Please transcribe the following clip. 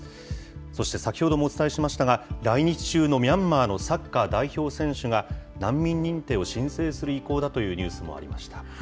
そして先ほどもお伝えしましたが、来日中のミャンマーのサッカー代表選手が、難民認定を申請する意向だというニュースもありました。